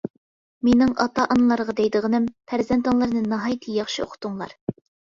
مېنىڭ ئاتا-ئانىلارغا دەيدىغىنىم، پەرزەنتىڭلارنى ناھايىتى ياخشى ئوقۇتۇڭلار!